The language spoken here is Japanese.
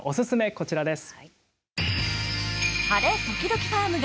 こちらです。